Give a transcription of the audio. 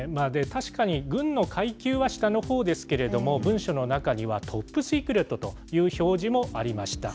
確かに軍の階級は下のほうですけれども、文書の中にはトップシークレットという表示もありました。